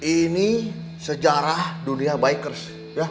ini sejarah dunia bikers